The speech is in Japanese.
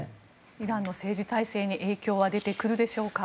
イランの政治体制に影響は出てくるでしょうか。